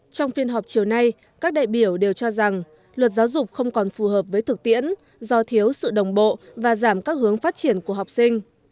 trong phiên họp chiều nay các đại biểu đều cho rằng luật giáo dục không còn phù hợp với thực tiễn do thiếu sự đồng bộ và giảm các hướng phát triển của học sinh